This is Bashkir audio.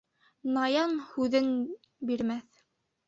Наян һүҙен бирмәҫ.